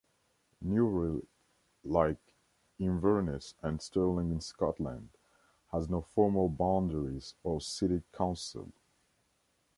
Newry, like Inverness and Stirling in Scotland, has no formal boundaries or city council.